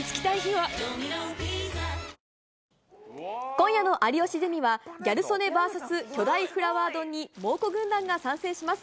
今夜の有吉ゼミは、ギャル曽根ＶＳ巨大フラワー丼に猛虎軍団が参戦します。